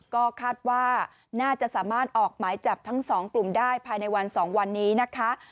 ก็คาดว่าน่าจะสามารถออกหมายจับทั้งสองกลุ่มได้ภายในวัน๒วันนี้นะคะ